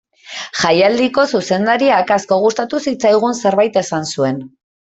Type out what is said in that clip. Jaialdiko zuzendariak asko gustatu zitzaigun zerbait esan zuen.